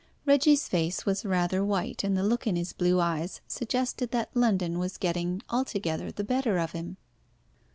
Reggie's face was rather white, and the look in his blue eyes suggested that London was getting altogether the better of him.